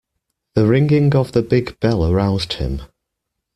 The ringing of the big bell aroused him.